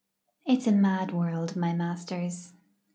It's a mad world, my masters.